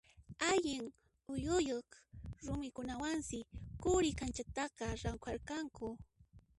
Allin uyayuq rumikunawansi Quri kanchataqa rawkharqanku.